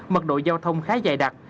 mật độ giao thông khá dài đặc